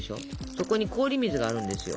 そこに氷水があるんですよ。